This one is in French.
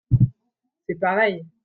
C’est pareil.